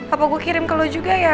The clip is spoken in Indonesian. apa gue kirim ke lo juga ya